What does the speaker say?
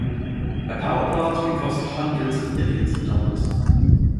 A power plant can cost hundreds of millions of dollars.